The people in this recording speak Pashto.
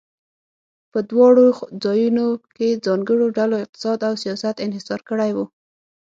په دواړو ځایونو کې ځانګړو ډلو اقتصاد او سیاست انحصار کړی و.